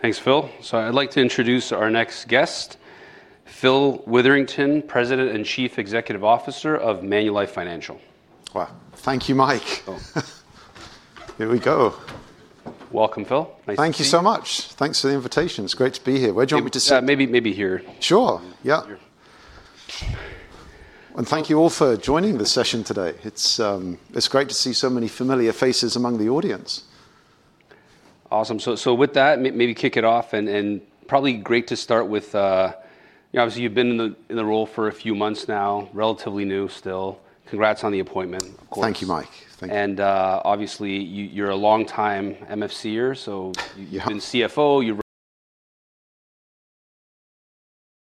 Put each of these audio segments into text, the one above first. Thanks, Phil. I'd like to introduce our next guest, Phil Witherington, President and Chief Executive Officer of Manulife Financial Corporation. Wow. Thank you, Mike. Here we go. Welcome, Phil. Thank you so much. Thanks for the invitation. It's great to be here. Where do you want me to sit? Maybe here. Sure. Thank you all for joining the session today. It's great to see so many familiar faces among the audience. Awesome. With that, maybe kick it off. Probably great to start with, you know, obviously you've been in the role for a few months now, relatively new still. Congrats on the appointment. Thank you, Mike. Obviously you're a long-time MFC-er, so you've been CFO, you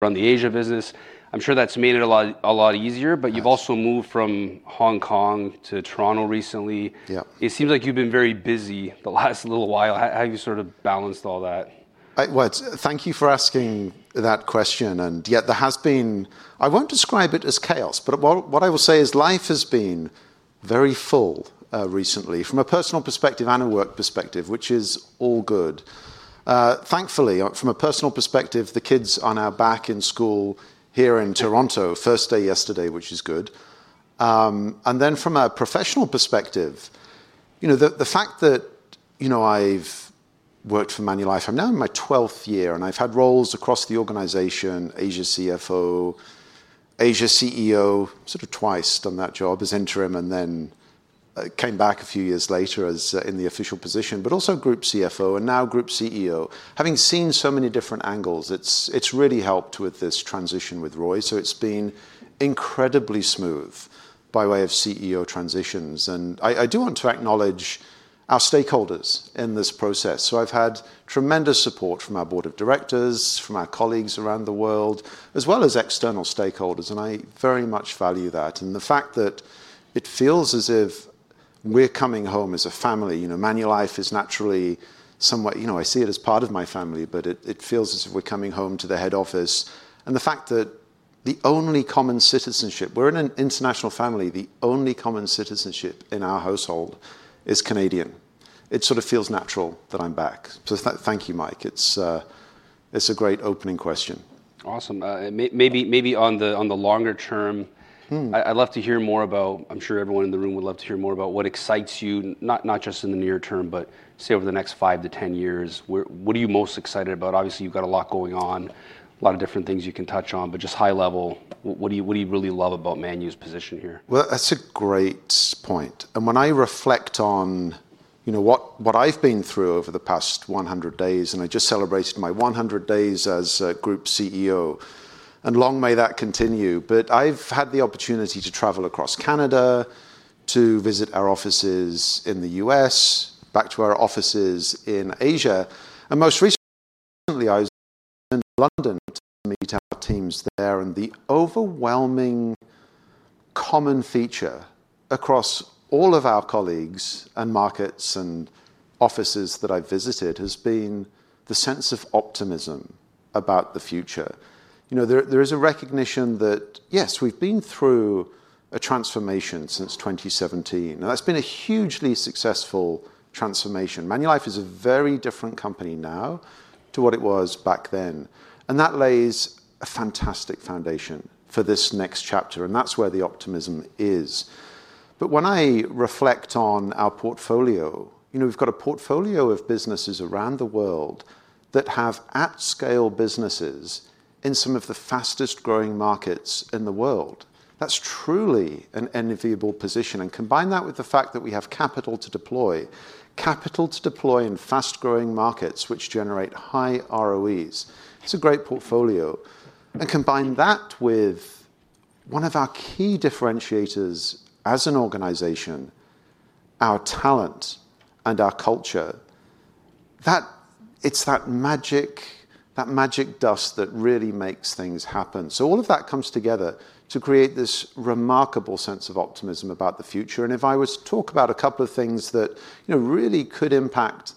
run the Asia business. I'm sure that's made it a lot easier, but you've also moved from Hong Kong to Toronto recently. It seems like you've been very busy the last little while. How have you sort of balanced all that? Thank you for asking that question. There has been, I won't describe it as chaos, but what I will say is life has been very full recently from a personal perspective and a work perspective, which is all good. Thankfully, from a personal perspective, the kids are now back in school here in Toronto, first day yesterday, which is good. From a professional perspective, the fact that I've worked for Manulife Financial Corporation, I'm now in my 12th year, and I've had roles across the organization, Asia CFO, Asia CEO, sort of twice done that job as interim, and then came back a few years later in the official position, but also Group CFO and now Group CEO. Having seen so many different angles, it's really helped with this transition with Roy. It's been incredibly smooth by way of CEO transitions. I do want to acknowledge our stakeholders in this process. I've had tremendous support from our Board of Directors, from our colleagues around the world, as well as external stakeholders. I very much value that. The fact that it feels as if we're coming home as a family, Manulife Financial Corporation is naturally somewhat, I see it as part of my family, but it feels as if we're coming home to the head office. The only common citizenship, we're in an international family, the only common citizenship in our household is Canadian. It sort of feels natural that I'm back. Thank you, Mike. It's a great opening question. Awesome. Maybe on the longer term, I'd love to hear more about, I'm sure everyone in the room would love to hear more about what excites you, not just in the near term, but say over the next five to ten years. What are you most excited about? Obviously, you've got a lot going on, a lot of different things you can touch on, but just high level, what do you really love about Manulife's position here? That's a great point. When I reflect on what I've been through over the past 100 days, I just celebrated my 100 days as Group CEO, and long may that continue. I've had the opportunity to travel across Canada, to visit our offices in the U.S., back to our offices in Asia, and most recently I was in London to meet up with teams there. The overwhelming common feature across all of our colleagues and markets and offices that I've visited has been the sense of optimism about the future. There is a recognition that, yes, we've been through a transformation since 2017, and that's been a hugely successful transformation. Manulife Financial Corporation is a very different company now to what it was back then. That lays a fantastic foundation for this next chapter, and that's where the optimism is. When I reflect on our portfolio, we've got a portfolio of businesses around the world that have at-scale businesses in some of the fastest growing markets in the world. That's truly an enviable position. Combine that with the fact that we have capital to deploy, capital to deploy in fast-growing markets which generate high ROEs. It's a great portfolio. Combine that with one of our key differentiators as an organization, our talent and our culture, it's that magic, that magic dust that really makes things happen. All of that comes together to create this remarkable sense of optimism about the future. If I was to talk about a couple of things that really could impact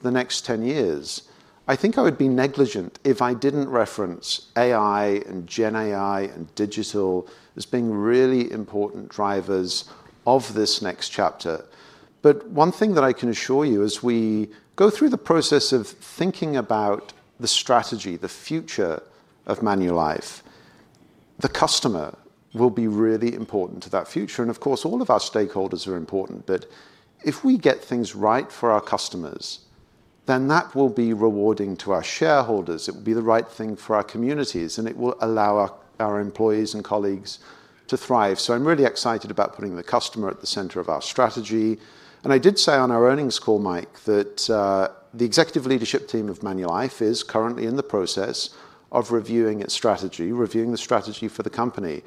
the next 10 years, I think I would be negligent if I didn't reference AI and Gen AI and digital as being really important drivers of this next chapter. One thing that I can assure you, as we go through the process of thinking about the strategy, the future of Manulife Financial Corporation, the customer will be really important to that future. Of course, all of our stakeholders are important. If we get things right for our customers, then that will be rewarding to our shareholders. It will be the right thing for our communities, and it will allow our employees and colleagues to thrive. I'm really excited about putting the customer at the center of our strategy. I did say on our earnings call, Mike, that the Executive Leadership Team of Manulife Financial Corporation is currently in the process of reviewing its strategy, reviewing the strategy for the company.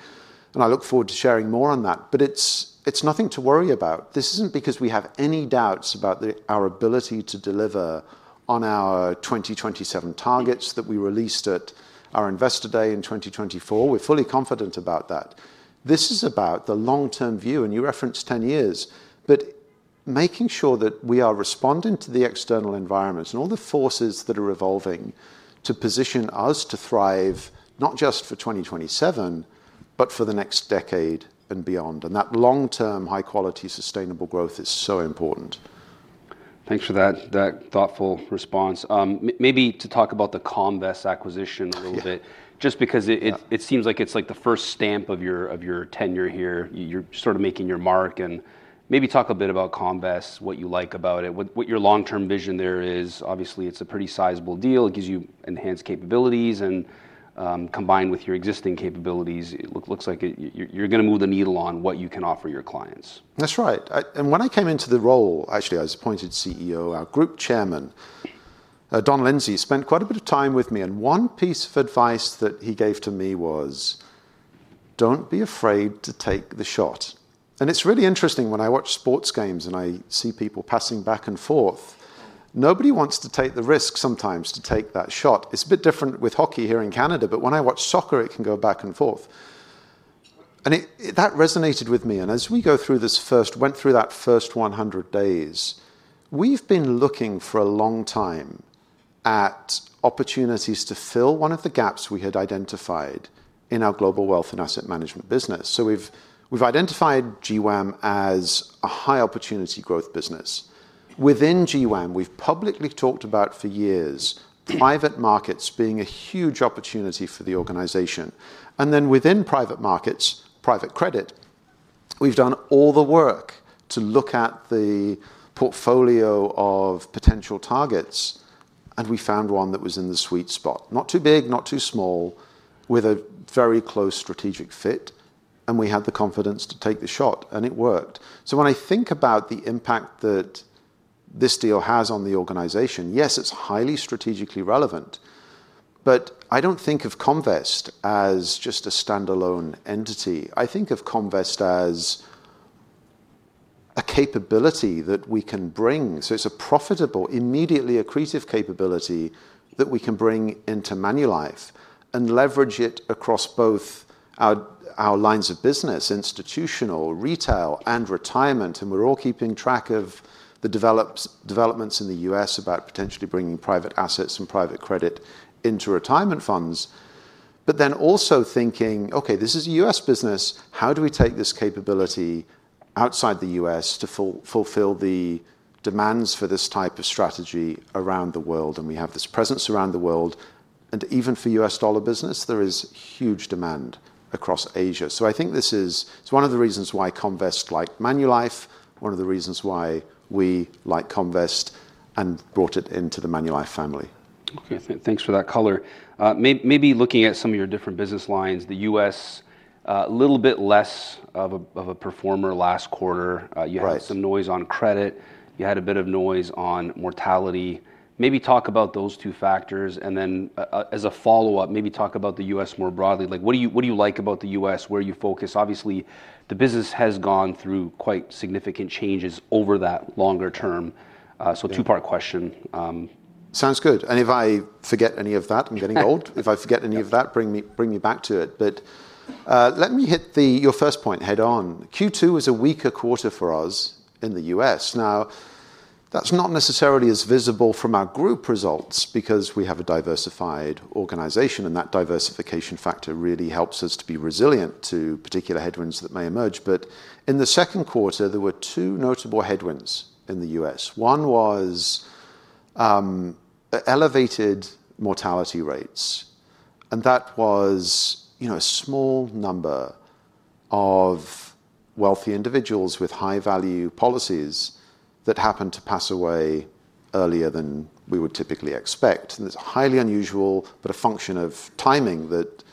I look forward to sharing more on that. It's nothing to worry about. This isn't because we have any doubts about our ability to deliver on our 2027 targets that we released at our Investor Day in 2024. We're fully confident about that. This is about the long-term view, you referenced 10 years, making sure that we are responding to the external environment and all the forces that are evolving to position us to thrive, not just for 2027, but for the next decade and beyond. That long-term, high-quality, sustainable growth is so important. Thanks for that thoughtful response. Maybe to talk about the Comvest acquisition a little bit, just because it seems like it's the first stamp of your tenure here. You're sort of making your mark and maybe talk a bit about Comvest, what you like about it, what your long-term vision there is. Obviously, it's a pretty sizable deal. It gives you enhanced capabilities, and combined with your existing capabilities, it looks like you're going to move the needle on what you can offer your clients. That's right. When I came into the role, actually, I was appointed CEO. Our Group Chairman, Don Lindsey, spent quite a bit of time with me, and one piece of advice that he gave to me was, don't be afraid to take the shot. It's really interesting when I watch sports games and I see people passing back and forth, nobody wants to take the risk sometimes to take that shot. It's a bit different with hockey here in Canada, but when I watch soccer, it can go back and forth. That resonated with me. As we went through that first 100 days, we've been looking for a long time at opportunities to fill one of the gaps we had identified in our global wealth and asset management business. We've identified GWAM as a high opportunity growth business. Within GWAM, we've publicly talked about for years private markets being a huge opportunity for the organization. Within private markets, private credit, we've done all the work to look at the portfolio of potential targets, and we found one that was in the sweet spot. Not too big, not too small, with a very close strategic fit, and we had the confidence to take the shot, and it worked. When I think about the impact that this deal has on the organization, yes, it's highly strategically relevant, but I don't think of Comvest as just a standalone entity. I think of Comvest as a capability that we can bring. It's a profitable, immediately accretive capability that we can bring into Manulife and leverage it across both our lines of business, institutional, retail, and retirement. We're all keeping track of the developments in the U.S. about potentially bringing private assets and private credit into retirement funds, but also thinking, okay, this is a U.S. business. How do we take this capability outside the U.S. to fulfill the demands for this type of strategy around the world? We have this presence around the world, and even for U.S. dollar business, there is huge demand across Asia. I think this is one of the reasons why Comvest liked Manulife, one of the reasons why we liked Comvest and brought it into the Manulife family. Okay, thanks for that color. Maybe looking at some of your different business lines, the U.S., a little bit less of a performer last quarter. You had some noise on credit. You had a bit of noise on mortality. Maybe talk about those two factors, and then as a follow-up, maybe talk about the U.S. more broadly. Like, what do you like about the U.S.? Where do you focus? Obviously, the business has gone through quite significant changes over that longer term. Two-part question. Sounds good. If I forget any of that, I'm getting old. If I forget any of that, bring me back to it. Let me hit your first point head-on. Q2 was a weaker quarter for us in the U.S. That's not necessarily as visible from our group results because we have a diversified organization, and that diversification factor really helps us to be resilient to particular headwinds that may emerge. In the second quarter, there were two notable headwinds in the U.S. One was elevated mortality rates, and that was a small number of wealthy individuals with high-value policies that happened to pass away earlier than we would typically expect. It's highly unusual, but a function of timing that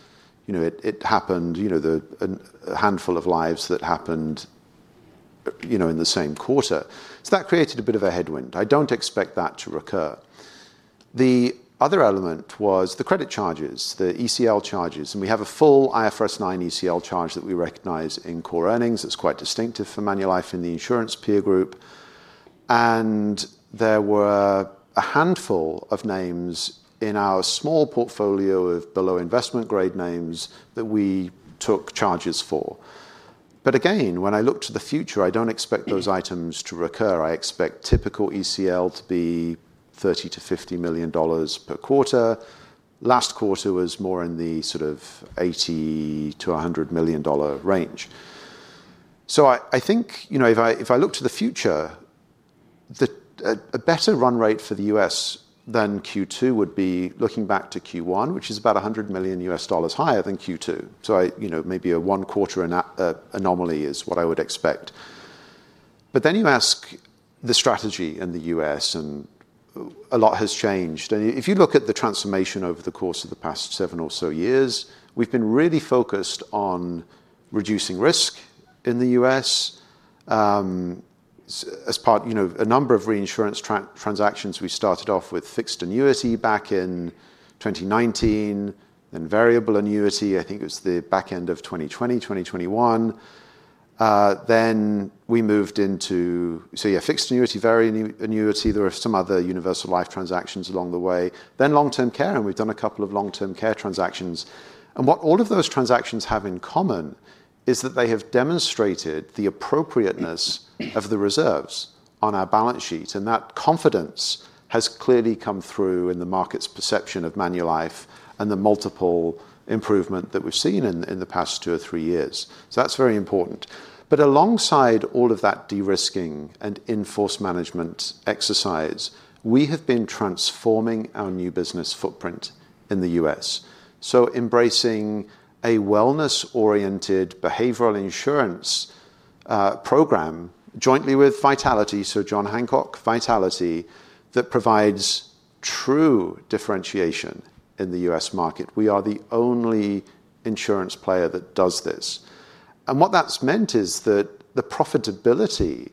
it happened, a handful of lives that happened in the same quarter. That created a bit of a headwind. I don't expect that to recur. The other element was the credit charges, the ECL charges, and we have a full IFRS 9 ECL charge that we recognize in core earnings. It's quite distinctive for Manulife in the insurance peer group. There were a handful of names in our small portfolio of below-investment grade names that we took charges for. When I look to the future, I don't expect those items to recur. I expect typical ECL to be $30 million to $50 million per quarter. Last quarter was more in the $80 million to $100 million range. If I look to the future, a better run rate for the U.S. than Q2 would be looking back to Q1, which is about $100 million U.S. dollars higher than Q2. Maybe a one-quarter anomaly is what I would expect. You ask the strategy in the U.S., and a lot has changed. If you look at the transformation over the course of the past seven or so years, we've been really focused on reducing risk in the U.S. as part of a number of reinsurance transactions. We started off with fixed annuity back in 2019, then variable annuity, I think it was the back end of 2020, 2021. We moved into fixed annuity, variable annuity. There were some other universal life transactions along the way. Then long-term care, and we've done a couple of long-term care transactions. What all of those transactions have in common is that they have demonstrated the appropriateness of the reserves on our balance sheet. That confidence has clearly come through in the market's perception of Manulife Financial Corporation and the multiple improvement that we've seen in the past two or three years. That is very important. Alongside all of that de-risking and in-force management exercise, we have been transforming our new business footprint in the U.S. Embracing a wellness-oriented behavioral insurance program jointly with Vitality, so John Hancock Vitality, provides true differentiation in the U.S. market. We are the only insurance player that does this. What that's meant is that the profitability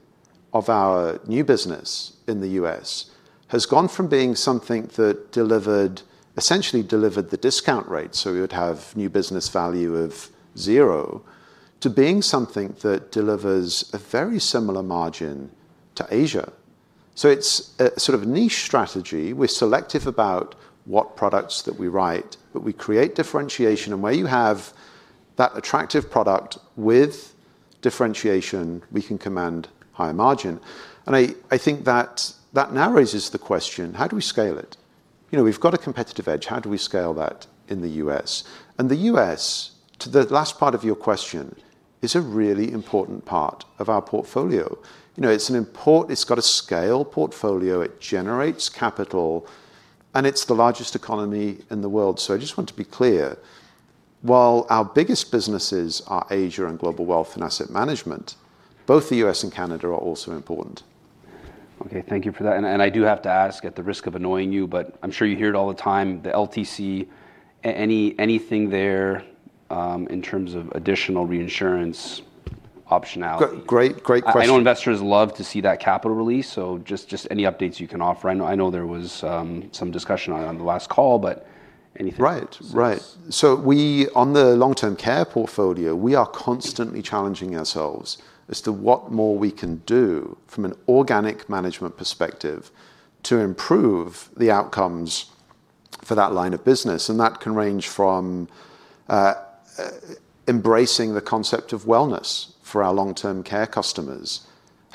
of our new business in the U.S. has gone from being something that delivered, essentially delivered the discount rate, so we would have new business value of zero, to being something that delivers a very similar margin to Asia. It is a sort of niche strategy. We're selective about what products that we write, but we create differentiation, and where you have that attractive product with differentiation, we can command higher margin. I think that now raises the question, how do we scale it? We've got a competitive edge. How do we scale that in the U.S.? The U.S., to the last part of your question, is a really important part of our portfolio. It is an important, it's got a scale portfolio, it generates capital, and it's the largest economy in the world. I just want to be clear, while our biggest businesses are Asia and global wealth and asset management, both the U.S. and Canada are also important. Okay, thank you for that. I do have to ask, at the risk of annoying you, but I'm sure you hear it all the time, the LTC, anything there in terms of additional reinsurance optionality? Great question. I know investors love to see that capital release, so just any updates you can offer? I know there was some discussion on the last call, but anything? Right, right. We, on the long-term care portfolio, are constantly challenging ourselves as to what more we can do from an organic management perspective to improve the outcomes for that line of business. That can range from embracing the concept of wellness for our long-term care customers to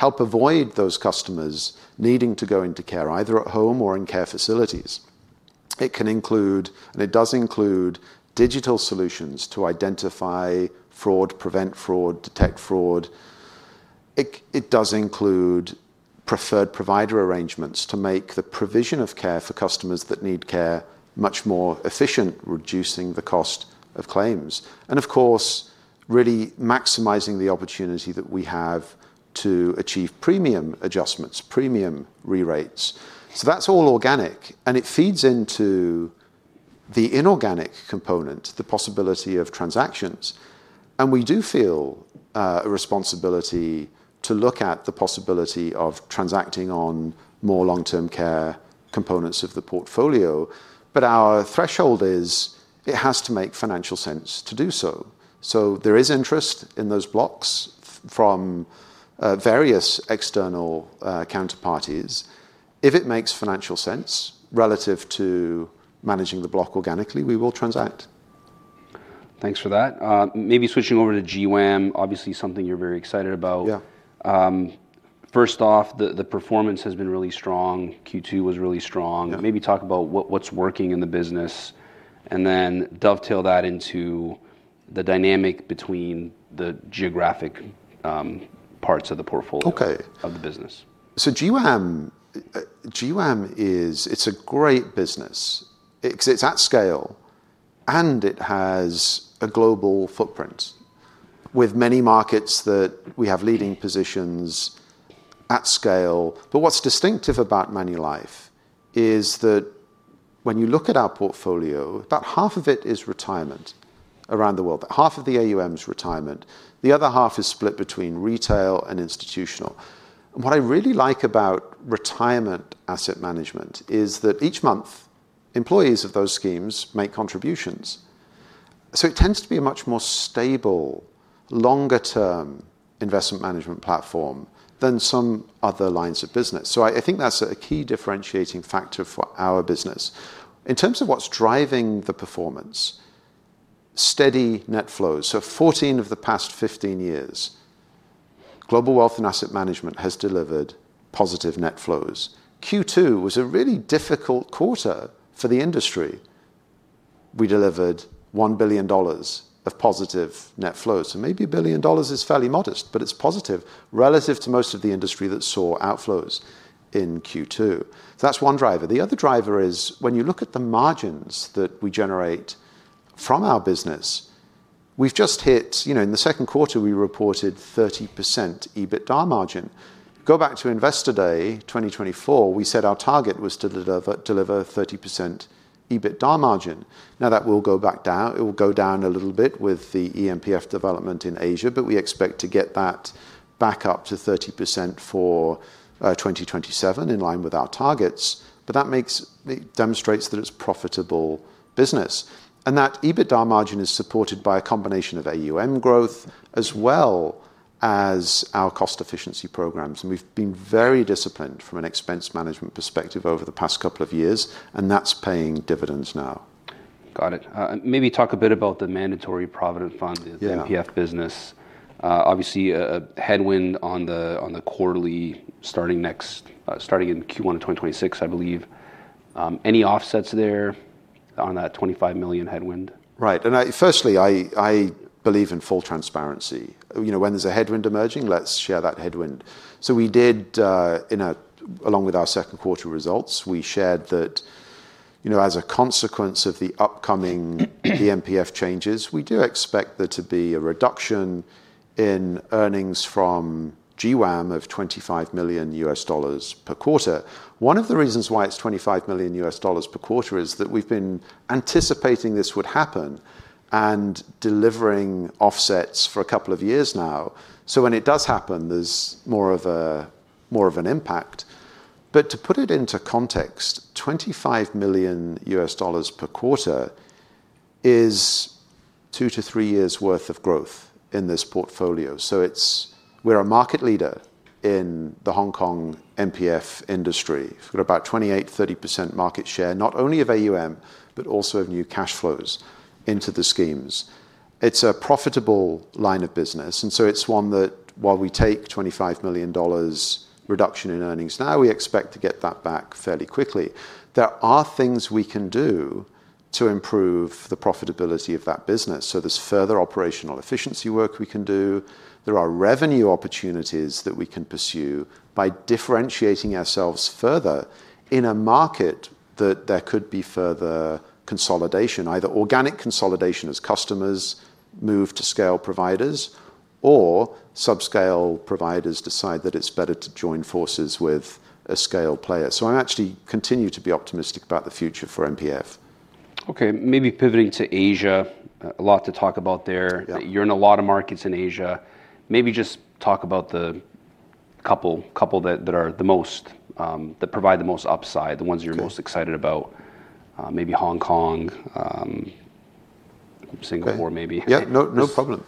help avoid those customers needing to go into care either at home or in care facilities. It can include, and it does include, digital solutions to identify fraud, prevent fraud, detect fraud. It does include preferred provider arrangements to make the provision of care for customers that need care much more efficient, reducing the cost of claims. Of course, really maximizing the opportunity that we have to achieve premium adjustments, premium re-rates. That's all organic, and it feeds into the inorganic component, the possibility of transactions. We do feel a responsibility to look at the possibility of transacting on more long-term care components of the portfolio, but our threshold is it has to make financial sense to do so. There is interest in those blocks from various external counterparties. If it makes financial sense relative to managing the block organically, we will transact. Thanks for that. Maybe switching over to GWAM, obviously something you're very excited about. First off, the performance has been really strong. Q2 was really strong. Maybe talk about what's working in the business and then dovetail that into the dynamic between the geographic parts of the portfolio of the business. GWAM is a great business because it's at scale and it has a global footprint with many markets that we have leading positions at scale. What's distinctive about Manulife is that when you look at our portfolio, about half of it is retirement around the world, about half of the AUM is retirement. The other half is split between retail and institutional. What I really like about retirement asset management is that each month employees of those schemes make contributions. It tends to be a much more stable, longer-term investment management platform than some other lines of business. I think that's a key differentiating factor for our business. In terms of what's driving the performance, steady net flows. Fourteen of the past fifteen years, global wealth and asset management has delivered positive net flows. Q2 was a really difficult quarter for the industry. We delivered $1 billion of positive net flows. Maybe $1 billion is fairly modest, but it's positive relative to most of the industry that saw outflows in Q2. That's one driver. The other driver is when you look at the margins that we generate from our business, we've just hit, in the second quarter, we reported 30% EBITDA margin. Go back to Investor Day 2024, we said our target was to deliver 30% EBITDA margin. That will go down a little bit with the EMPF development in Asia, but we expect to get that back up to 30% for 2027 in line with our targets. That demonstrates that it's a profitable business. That EBITDA margin is supported by a combination of AUM growth as well as our cost efficiency programs. We've been very disciplined from an expense management perspective over the past couple of years, and that's paying dividends now. Got it. Maybe talk a bit about the Mandatory Provident Fund, the MPF business. Obviously, a headwind on the quarterly starting next, starting in Q1 of 2026, I believe. Any offsets there on that $25 million headwind? Right. Firstly, I believe in full transparency. You know, when there's a headwind emerging, let's share that headwind. We did, along with our second quarter results, share that, you know, as a consequence of the upcoming MPF changes, we do expect there to be a reduction in earnings from GWAM of $25 million per quarter. One of the reasons why it's $25 million per quarter is that we've been anticipating this would happen and delivering offsets for a couple of years now. When it does happen, there's more of an impact. To put it into context, $25 million per quarter is two to three years' worth of growth in this portfolio. We're a market leader in the Hong Kong MPF industry. We've got about 28%, 30% market share, not only of AUM, but also of new cash flows into the schemes. It's a profitable line of business, and it's one that, while we take $25 million reduction in earnings now, we expect to get that back fairly quickly. There are things we can do to improve the profitability of that business. There's further operational efficiency work we can do. There are revenue opportunities that we can pursue by differentiating ourselves further in a market that could see further consolidation, either organic consolidation as customers move to scale providers, or sub-scale providers decide that it's better to join forces with a scale player. I actually continue to be optimistic about the future for MPF. Okay, maybe pivoting to Asia, a lot to talk about there. You're in a lot of markets in Asia. Maybe just talk about the couple that are the most, that provide the most upside, the ones you're most excited about. Maybe Hong Kong, Singapore, maybe. Yeah, no problem.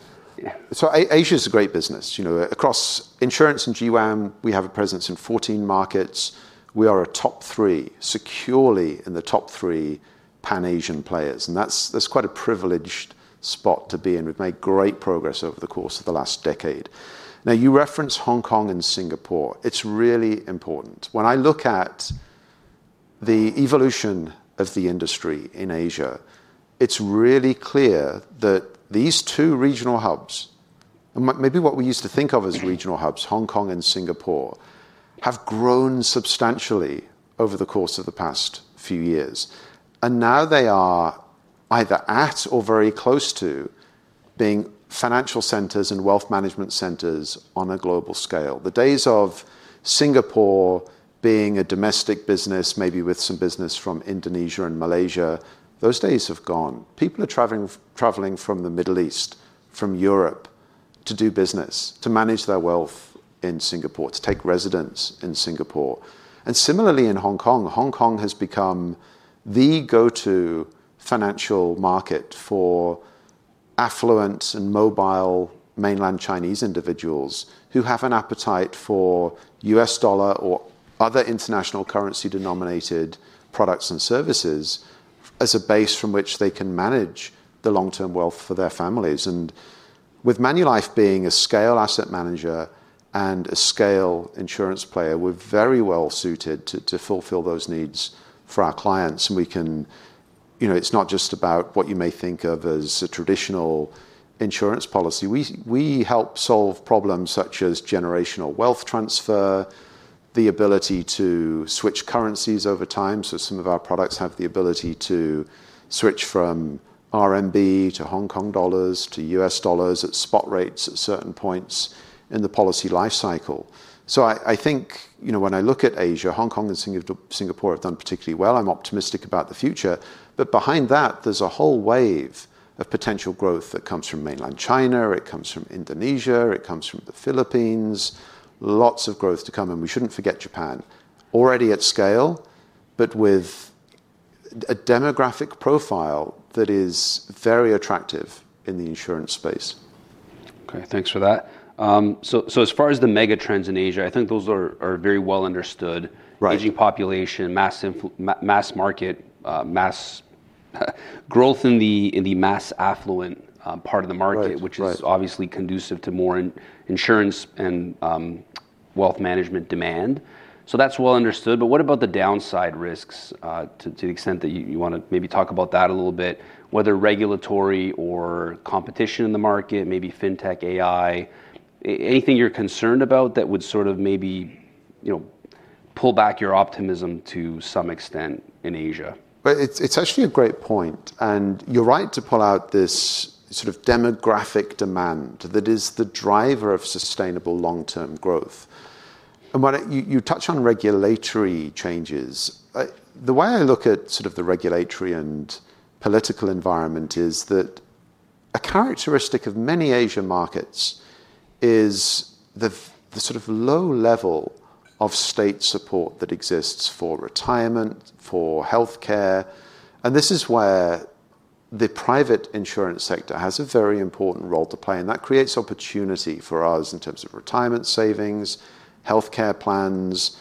Asia is a great business. Across insurance and GWAM, we have a presence in 14 markets. We are a top three, securely in the top three Pan-Asian players, and that's quite a privileged spot to be in. We've made great progress over the course of the last decade. You referenced Hong Kong and Singapore. It's really important. When I look at the evolution of the industry in Asia, it's really clear that these two regional hubs, and maybe what we used to think of as regional hubs, Hong Kong and Singapore, have grown substantially over the course of the past few years. Now they are either at or very close to being financial centers and wealth management centers on a global scale. The days of Singapore being a domestic business, maybe with some business from Indonesia and Malaysia, those days have gone. People are traveling from the Middle East, from Europe, to do business, to manage their wealth in Singapore, to take residence in Singapore. Similarly, in Hong Kong, Hong Kong has become the go-to financial market for affluent and mobile mainland Chinese individuals who have an appetite for U.S. dollar or other international currency-denominated products and services as a base from which they can manage the long-term wealth for their families. With Manulife being a scale asset manager and a scale insurance player, we're very well suited to fulfill those needs for our clients. It's not just about what you may think of as a traditional insurance policy. We help solve problems such as generational wealth transfer, the ability to switch currencies over time. Some of our products have the ability to switch from RMB to Hong Kong dollars to U.S. dollars at spot rates at certain points in the policy lifecycle. When I look at Asia, Hong Kong and Singapore have done particularly well. I'm optimistic about the future. Behind that, there's a whole wave of potential growth that comes from mainland China, it comes from Indonesia, it comes from the Philippines, lots of growth to come. We shouldn't forget Japan, already at scale, but with a demographic profile that is very attractive in the insurance space. Okay, thanks for that. As far as the megatrends in Asia, I think those are very well understood: aging population, mass market, mass growth in the mass affluent part of the market, which is obviously conducive to more insurance and wealth management demand. That's well understood. What about the downside risks to the extent that you want to maybe talk about that a little bit, whether regulatory or competition in the market, maybe fintech, AI, anything you're concerned about that would maybe pull back your optimism to some extent in Asia? It's actually a great point. You're right to pull out this sort of demographic demand that is the driver of sustainable long-term growth. When you touch on regulatory changes, the way I look at the regulatory and political environment is that a characteristic of many Asian markets is the low level of state support that exists for retirement and for healthcare. This is where the private insurance sector has a very important role to play. That creates opportunity for us in terms of retirement savings, healthcare plans,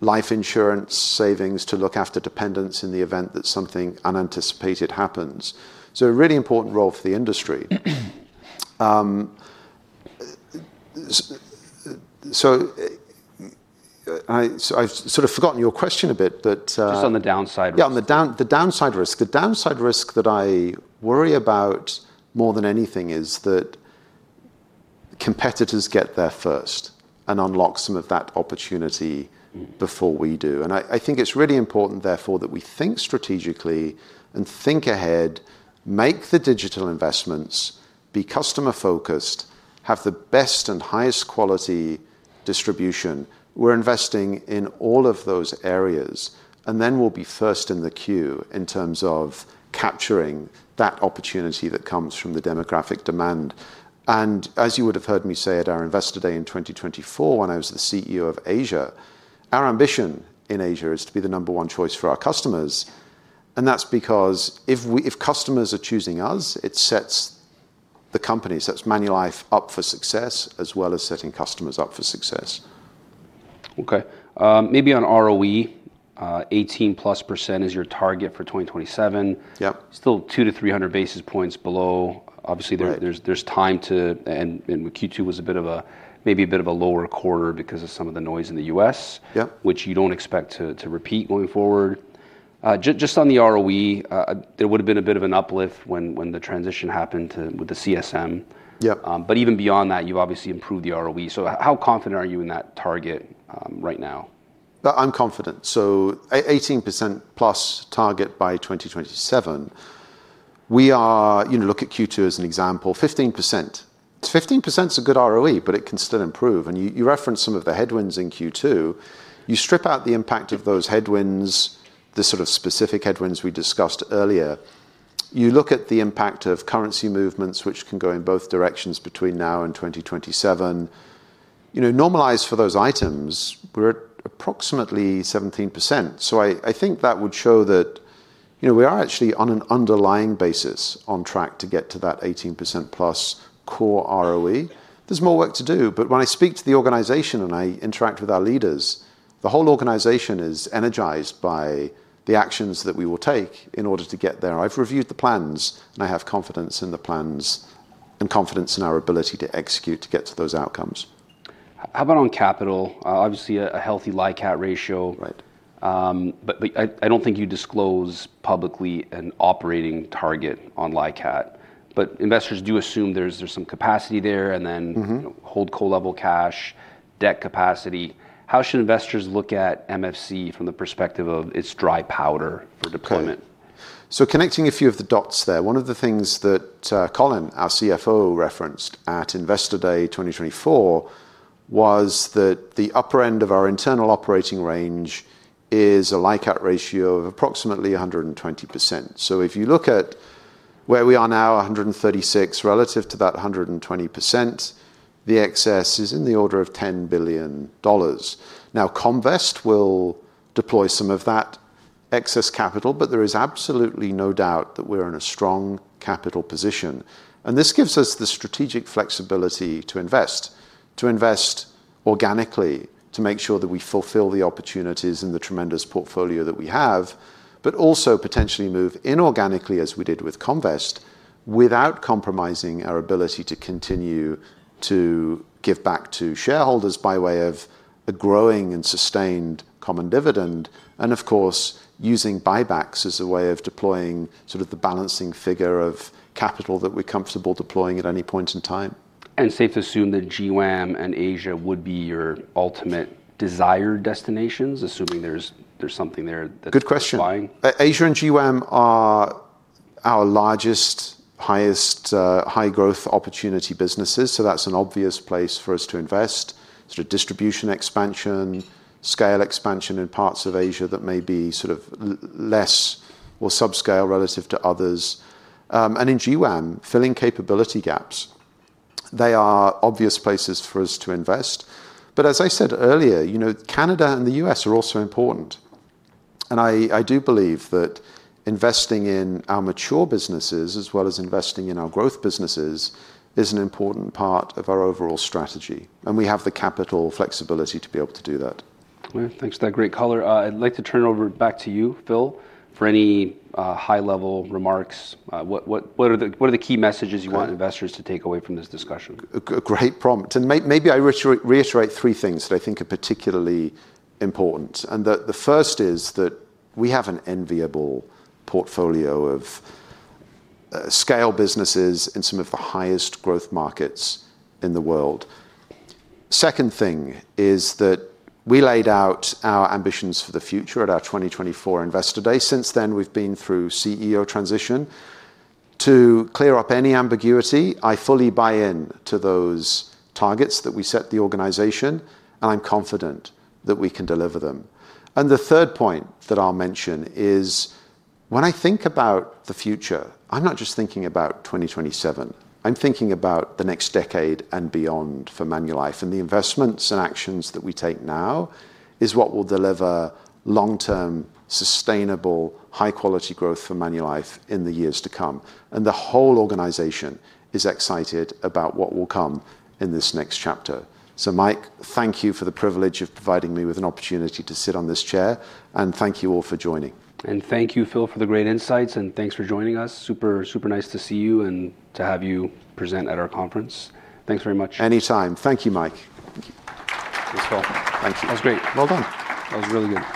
life insurance savings to look after dependents in the event that something unanticipated happens. A really important role for the industry. I've sort of forgotten your question a bit, but. Just on the downside. Yeah, on the downside risk. The downside risk that I worry about more than anything is that competitors get there first and unlock some of that opportunity before we do. I think it's really important, therefore, that we think strategically and think ahead, make the digital investments, be customer-focused, have the best and highest quality distribution. We're investing in all of those areas, and then we'll be first in the queue in terms of capturing that opportunity that comes from the demographic demand. As you would have heard me say at our Investor Day in 2024, when I was the CEO of Asia, our ambition in Asia is to be the number one choice for our customers. That's because if customers are choosing us, it sets the company, sets Manulife up for success, as well as setting customers up for success. Okay. Maybe on ROE, 18%+ is your target for 2027. Yeah, still 200 to 300 basis points below. Obviously, there's time to, and Q2 was a bit of a, maybe a bit of a lower quarter because of some of the noise in the U.S., which you don't expect to repeat moving forward. Just on the ROE, there would have been a bit of an uplift when the transition happened with the CSM. Yeah, but even beyond that, you've obviously improved the ROE. How confident are you in that target right now? I'm confident. 18% plus target by 2027. We are, you know, look at Q2 as an example, 15%. 15% is a good ROE, but it can still improve. You referenced some of the headwinds in Q2. You strip out the impact of those headwinds, the sort of specific headwinds we discussed earlier. You look at the impact of currency movements, which can go in both directions between now and 2027. Normalized for those items, we're at approximately 17%. I think that would show that, you know, we are actually on an underlying basis on track to get to that 18% plus core ROE. There's more work to do, but when I speak to the organization and I interact with our leaders, the whole organization is energized by the actions that we will take in order to get there. I've reviewed the plans, and I have confidence in the plans and confidence in our ability to execute to get to those outcomes. How about on capital? Obviously, a healthy LICAT ratio, right. I don't think you disclose publicly an operating target on LICAT. Investors do assume there's some capacity there and then hold core level cash, debt capacity. How should investors look at Manulife Financial Corporation from the perspective of its dry powder for deployment? Connecting a few of the dots there, one of the things that Colin, our CFO, referenced at Investor Day 2024 was that the upper end of our internal operating range is a LICAT ratio of approximately 120%. If you look at where we are now, 136% relative to that 120%, the excess is in the order of $10 billion. Comvest will deploy some of that excess capital, but there is absolutely no doubt that we're in a strong capital position. This gives us the strategic flexibility to invest, to invest organically, to make sure that we fulfill the opportunities in the tremendous portfolio that we have, but also potentially move inorganically as we did with Comvest without compromising our ability to continue to give back to shareholders by way of a growing and sustained common dividend. Of course, using buybacks as a way of deploying sort of the balancing figure of capital that we're comfortable deploying at any point in time. is safe to assume that GWAM and Asia would be your ultimate desired destinations, assuming there's something there that. Good question. Asia and GWAM are our largest, highest high-growth opportunity businesses. That's an obvious place for us to invest, sort of distribution expansion, scale expansion in parts of Asia that may be less or sub-scale relative to others. In GWAM, filling capability gaps, they are obvious places for us to invest. As I said earlier, Canada and the U.S. are also important. I do believe that investing in our mature businesses, as well as investing in our growth businesses, is an important part of our overall strategy. We have the capital flexibility to be able to do that. Thanks for that great color. I'd like to turn it over back to you, Phil, for any high-level remarks. What are the key messages you want investors to take away from this discussion? A great prompt. Maybe I reiterate three things that I think are particularly important. The first is that we have an enviable portfolio of scale businesses in some of the highest growth markets in the world. The second thing is that we laid out our ambitions for the future at our 2024 Investor Day. Since then, we've been through CEO transition to clear up any ambiguity. I fully buy into those targets that we set the organization, and I'm confident that we can deliver them. The third point that I'll mention is when I think about the future, I'm not just thinking about 2027. I'm thinking about the next decade and beyond for Manulife. The investments and actions that we take now are what will deliver long-term, sustainable, high-quality growth for Manulife in the years to come. The whole organization is excited about what will come in this next chapter. Mike, thank you for the privilege of providing me with an opportunity to sit on this chair, and thank you all for joining. Thank you, Phil, for the great insights, and thanks for joining us. Super, super nice to see you and to have you present at our conference. Thanks very much. Anytime. Thank you, Mike. Thanks, Phil. Thank you. That was great. Well done. That was really good.